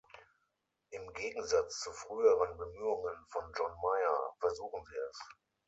Im Gegensatz zu früheren Bemühungen von John Mayer: Versuchen Sie es!